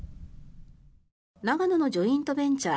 長野のジョイントベンチャー